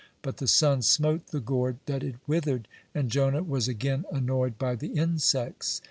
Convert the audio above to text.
But the sun smote the gourd that it withered, and Jonah was again annoyed by the insects.